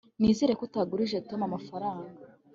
nizere ko utagurije tom amafaranga